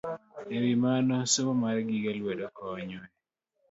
E wi mano, somo mar gige lwedo konyo e